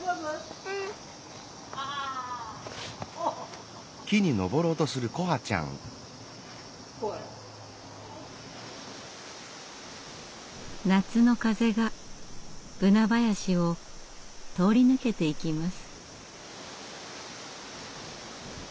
うん。夏の風がブナ林を通り抜けていきます。